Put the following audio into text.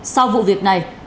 sau vụ việc này